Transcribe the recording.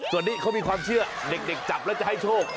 ส่วนนี้เขามีความเชื่อเด็กจับแล้วจะให้โชค